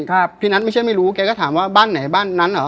พี่นัทไม่ใช่ไม่รู้แกก็ถามว่าบ้านไหนบ้านนั้นเหรอ